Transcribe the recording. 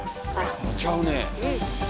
ちゃうね。